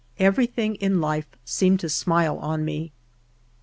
Everything in life seemed to smile on me.